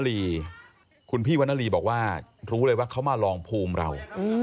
ลีคุณพี่วรรณลีบอกว่ารู้เลยว่าเขามาลองภูมิเรา